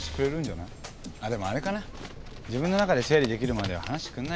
でも自分の中で整理できるまでは話してくんないかな。